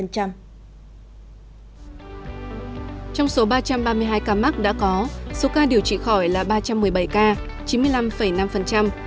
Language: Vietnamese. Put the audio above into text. trong số ba trăm ba mươi hai ca mắc đã có số ca điều trị khỏi là ba trăm một mươi bảy ca chín mươi năm năm